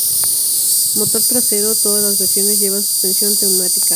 Motor trasero: todas las versiones llevan suspensión neumática.